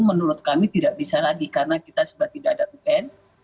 menurut kami tidak bisa lagi karena kita sudah tidak ada un